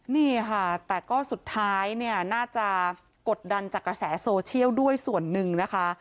นี่ค่ะแต่ก็สุดท้ายเนี่ยน่าจะกดดันจากกระแสโซเชียลด้วยส่วนหนึ่งนะคะ